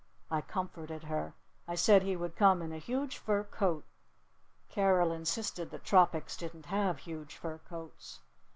I comforted her. I said he would come in a huge fur coat. Carol insisted that tropics didn't have huge fur coats.